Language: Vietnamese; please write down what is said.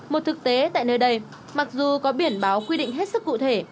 một thực tế tại nơi đây mặc dù có biển báo quy định hết sức cụ thể